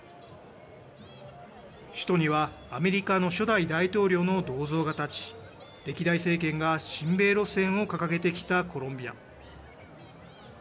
首都にはアメリカの初代大統領の銅像が建ち、歴代政権が親米路線を掲げてきたコロンビア。